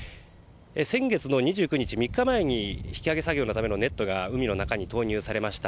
先月の２９日、３日前に引き揚げ作業のためのネットが海の中に投入されました。